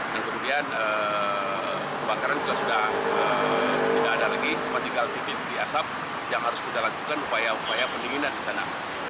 kemudian kebakaran sudah tidak ada lagi cuma tinggal titik titik asap yang harus dilakukan upaya upaya pendinginan di sana